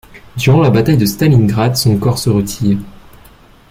Durant la bataille de Stalingrad son corps se retire.